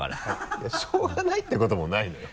いやしょうがないってこともないのよ。